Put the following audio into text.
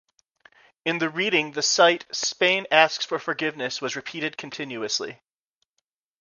In the reading the cite "Spain Asks for Forgiveness" was repeated continuously.